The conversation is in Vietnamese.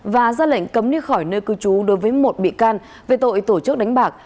và ra lệnh cấm đi khỏi nơi cư trú đối với một bị can về tội tổ chức đánh bạc